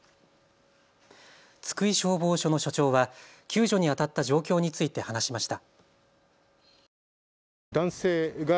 津久井消防署の署長は救助にあたった状況について話しました。